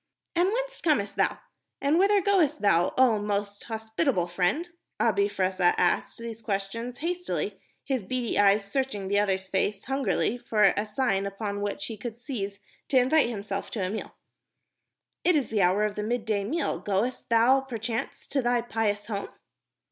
"And whence comest thou? And whither goest thou, oh most hospitable friend?" Abi Fressah asked these questions hastily, his beady eyes searching the other's face hungrily for a sign upon which he could seize to invite himself to a meal. "It is the hour of the mid day meal. Goest thou, perchance, to thy pious home?"